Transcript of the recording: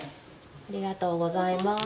ありがとうございます。